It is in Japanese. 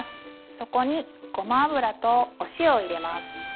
そこにごま油とお塩を入れます。